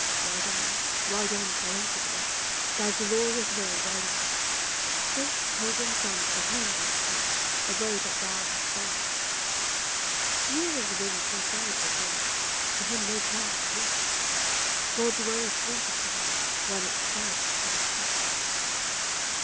Ride on, ride on, triumphantly, Thou glorious will, ride on ! Faith's pilgrim sons behind thee take The road that thou hast gone, He always wins who sides with God, To him no chance is lost; 38 THE HIGHER LIFE. God's will is sweetest to him, when It triumphs at his cost.